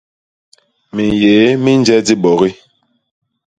Minyéé mi nje dibogi.